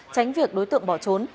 tránh việc đối tượng bỏ trốn